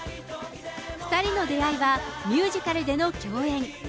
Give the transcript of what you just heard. ２人の出会いはミュージカルでの共演。